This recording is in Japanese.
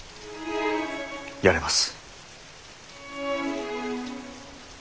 やれます。